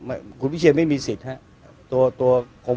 มีการที่จะพยายามติดศิลป์บ่นเจ้าพระงานนะครับ